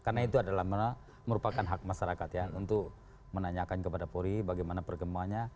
karena itu adalah merupakan hak masyarakat ya untuk menanyakan kepada polri bagaimana perkembangannya